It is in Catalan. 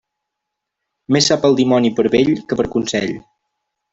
Més sap el dimoni per vell que per consell.